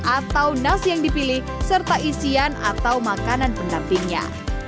atau nasi yang dipilih serta isian atau makanan pendampingnya